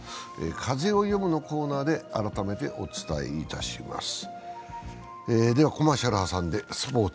「風をよむ」のコーナーで改めてお伝えいたします。